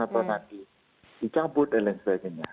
atau nanti dicabut dan lain sebagainya